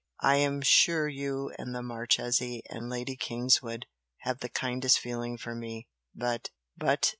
I am sure you and the Marchese and Lady Kingswood have the kindest feeling for me! but " "But!"